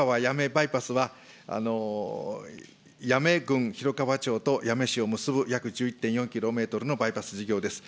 バイパスは、八女郡広川町と八女市を結ぶ約１１．４メートルのバイパス事業です。